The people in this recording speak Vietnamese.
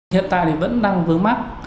hiện tại vẫn đang vớ mắt